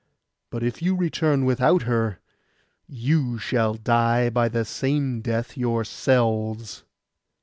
But if you return without her, you shall die by the same death yourselves.